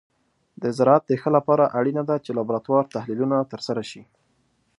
د زراعت د ښه لپاره اړینه ده چې د لابراتور تحلیلونه ترسره شي.